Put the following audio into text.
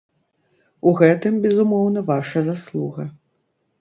У гэтым, безумоўна, ваша заслуга.